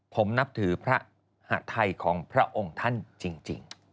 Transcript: ผมนับถือภาทัยของพระองค์ท่านจริง